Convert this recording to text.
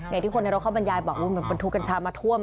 ในที่คนในรโภบรรยายบอกว่ามันทูการชามันถ้วม